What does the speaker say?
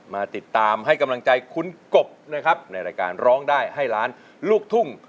มาติดตามให้กำลังใจคุณกบนะครับในรายการร้องได้ให้ล้านลูกทุ่ง